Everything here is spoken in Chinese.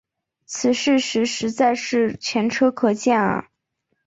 此事实在是前车可鉴啊。